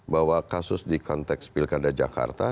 bahwa kasus di konteks pilkada jakarta